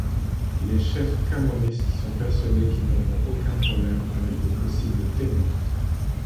Les chefs camorristes sont persuadés qu'ils n'auront aucun problème avec de possibles témoins.